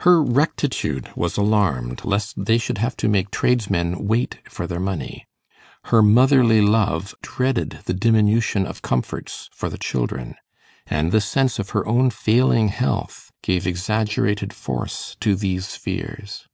Her rectitude was alarmed lest they should have to make tradesmen wait for their money; her motherly love dreaded the diminution of comforts for the children; and the sense of her own failing health gave exaggerated force to these fears.